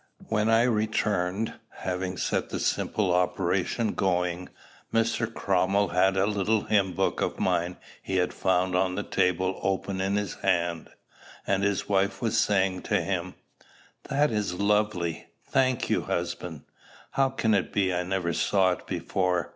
When I returned, having set the simple operation going, Mr. Cromwell had a little hymn book of mine he had found on the table open in his hand, and his wife was saying to him, "That is lovely! Thank you, husband. How can it be I never saw it before?